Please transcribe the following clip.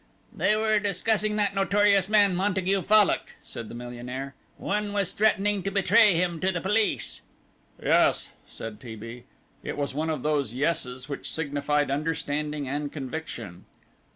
"They were discussing that notorious man, Montague Fallock," said the millionaire; "one was threatening to betray him to the police." "Yes," said T. B. It was one of those "yesses" which signified understanding and conviction.